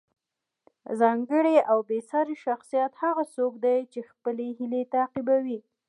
ځانګړی او بې ساری شخصیت هغه څوک دی چې خپلې هیلې تعقیبوي.